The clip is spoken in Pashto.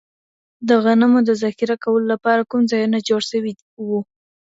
د غنمو د ذخیره کولو لپاره کوم ځایونه جوړ سوي وو؟